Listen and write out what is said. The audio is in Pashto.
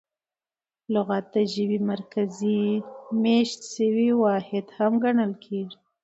لغت د ژبي مرکزي مېشت سوی واحد هم ګڼل کیږي.